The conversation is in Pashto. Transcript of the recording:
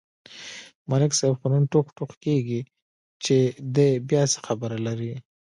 ملک صاحب خو نن ټوغ ټوغ کېږي، چې دی بیا څه خبره لري.